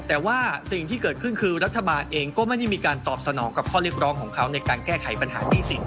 แต่ว่าสิ่งที่เกิดขึ้นคือรัฐบาลเองก็ไม่ได้มีการตอบสนองกับข้อเรียกร้องของเขาในการแก้ไขปัญหาหนี้สิน